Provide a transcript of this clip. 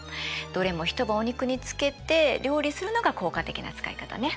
どれも一晩お肉に漬けて料理するのが効果的な使い方ね。